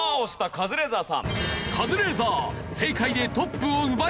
カズレーザーさん。